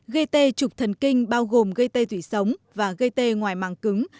gây tê trục thần kinh bao gồm gây tê thủy sống và gây tê ngoài màng cứng